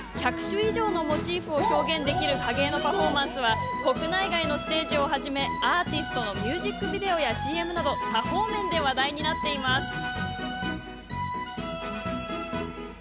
１００種以上のモチーフを表現できる影絵のパフォーマンスは国内外のステージをはじめアーティストのミュージックビデオやＣＭなど多方面で話題になっています。